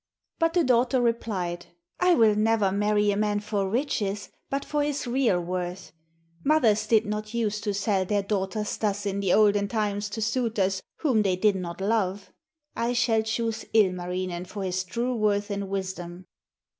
But the daughter replied: 'I will never marry a man for riches, but for his real worth. Mothers did not use to sell their daughters thus in the olden times to suitors whom they did not love. I shall choose Ilmarinen for his true worth and wisdom.'